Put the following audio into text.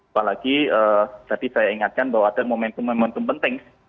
apalagi tadi saya ingatkan bahwa ada momentum momentum penting